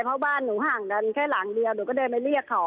เพราะบ้านหนูห่างกันแค่หลังเดียวหนูก็เดินไปเรียกเขา